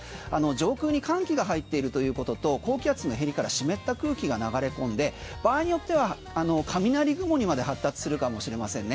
上空に寒気が入っているということと高気圧のへりから湿った空気が流れ込んで場合によっては雷雲にまで発達するかもしれませんね。